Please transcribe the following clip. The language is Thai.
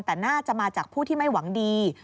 แต่น่าจะมาจากผู้ที่ไม่หวังดี